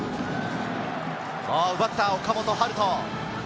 奪った岡本温叶。